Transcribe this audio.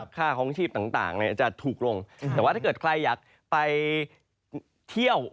ค่าคลองชีพต่างจะถูกลงแต่ว่าถ้าเกิดใครอยากไปเที่ยว